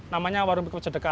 namanya warung pickup cedekah